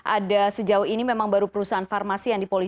ada sejauh ini memang baru perusahaan farmasi yang dipolisikan